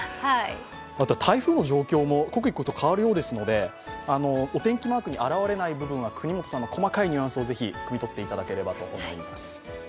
台風の状況も刻一刻と変わるようですので、お天気マークに現れない部分は、國本さんの細かいニュアンスをくみとっていただければと思います。